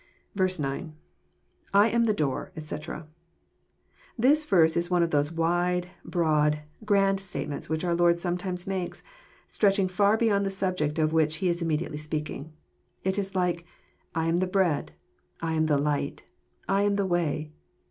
9. — II am the door, etc.'] This verse is one of those wide, broad, grand statements which our Lord sometimes makes, stretching far beyond the subject of which He is immediately speaking. It is like, I am the Bread,— I am the Light, — I am the Way."